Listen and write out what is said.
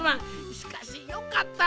しかしよかった。